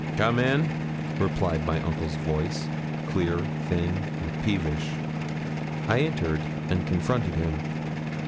'Come in,' replied my uncle's voice, clear, thin, and peevish. I entered and confronted him.